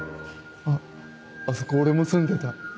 あっあそこ俺も住んでた。